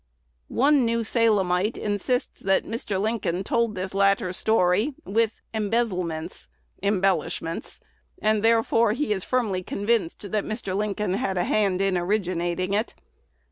One New Salemite insists that Mr. Lincoln told this latter story "with embezzlements" (embellishments), and therefore he is firmly convinced that Mr. Lincoln "had a hand" in originating it.